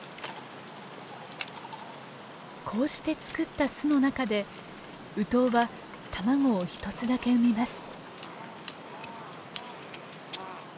こうして作った巣の中でウトウは卵を一つだけ産みます。